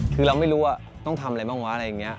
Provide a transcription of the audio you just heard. คือเราไม่รู้ว่าต้องทำอะไรบ้างวะอะไรอย่างนี้